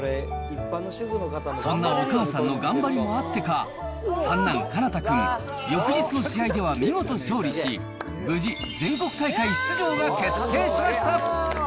そんなお母さんの頑張りもあってか、三男、奏君、翌日の試合では、見事勝利し、無事、全国大会出場が決定しました。